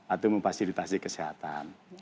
atau memfasilitasi kesehatan